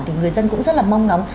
thì người dân cũng rất là mong ngóng